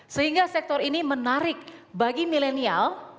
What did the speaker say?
sehingga sektor ini menarik bagi milenial